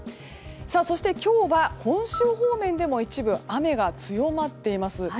そして、今日は本州方面でも一部、雨が強まっています。